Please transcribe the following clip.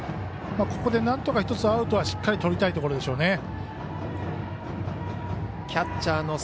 ここで、なんとか１つアウトはしっかりとりたいところでしょうね。